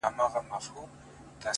• نه به زه یم نه به ته نه دا وطن وي,